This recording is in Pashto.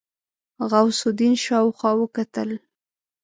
غوث الدين شاوخوا وکتل.